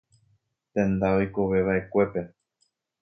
Tenda oikoveva'ekuépe.